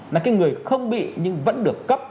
là cái người không bị nhưng vẫn được cấp